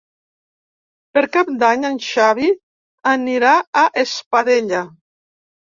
Per Cap d'Any en Xavi anirà a Espadella.